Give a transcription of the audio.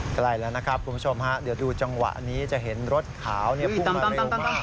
ใกล้แล้วนะครับคุณผู้ชมฮะเดี๋ยวดูจังหวะนี้จะเห็นรถขาวพุ่งมาเร็วมาก